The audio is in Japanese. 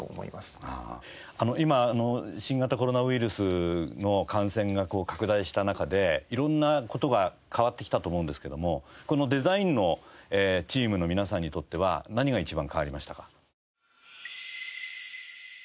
今新型コロナウイルスの感染が拡大した中で色んな事が変わってきたと思うんですけどもこのデザインのチームの皆さんにとっては何が一番変わりましたか？